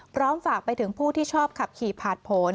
ฝากไปถึงผู้ที่ชอบขับขี่ผ่านผล